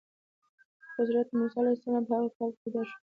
خو حضرت موسی علیه السلام په هغه کال پیدا شو.